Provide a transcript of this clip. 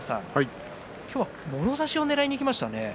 今日はもろ差しをねらいにいきましたね。